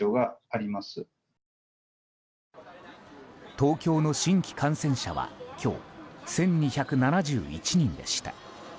東京の新規感染者は今日、１２７１人でした。